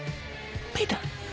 ピーター。